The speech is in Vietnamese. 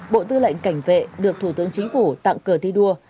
bộ tư lệnh cảnh vệ được thủ tướng chính phủ tặng cờ thi đua